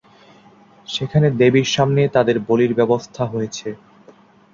সেখানে দেবীর সামনে তাদের বলির ব্যবস্থা হয়েছে।